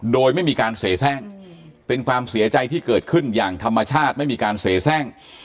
โดยไม่มีการเสียแทร่งเป็นความเสียใจที่เกิดขึ้นอย่างธรรมชาติไม่มีการเสียแทร่ง